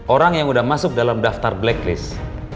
orang yang sudah masuk dalam daftar blacklist